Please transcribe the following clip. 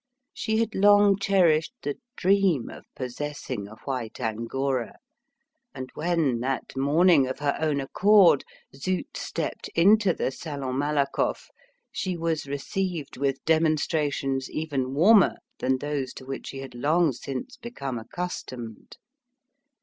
She had long cherished the dream of possessing a white angora, and when, that morning, of her own accord, Zut stepped into the Salon Malakoff, she was received with demonstrations even warmer than those to which she had long since become accustomed.